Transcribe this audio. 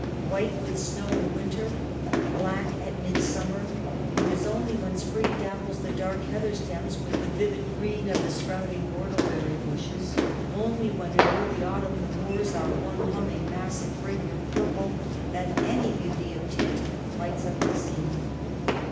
White with snow in winter, black at mid summer, it is only when spring dapples the dark heather stems with the vivid green of the sprout ing whortleberry bushes, only when in early autumn the moors are one humming mass of fragrant purple, that any beauty of tint lights up the scene.